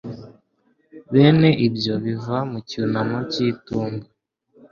Bene ibyo biva mu cyunamo cy'itumba